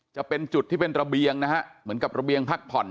จะเป็นจุดที่เป็นระเบียงนะฮะเหมือนกับระเบียงพักผ่อน